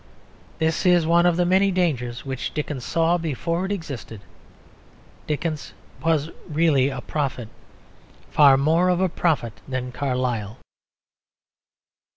This is one of the many dangers which Dickens saw before it existed. Dickens was really a prophet; far more of a prophet than Carlyle.